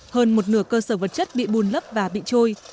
hơn một nửa cơ sở vật chất bị bùn lấp và bị trôi